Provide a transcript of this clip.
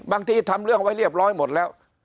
ทำเรื่องไว้เรียบร้อยหมดแล้ว